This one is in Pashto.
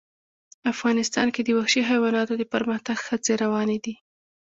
افغانستان کې د وحشي حیواناتو د پرمختګ هڅې روانې دي.